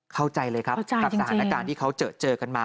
เข้าใจเลยครับกับสถานการณ์ที่เขาเจอกันมา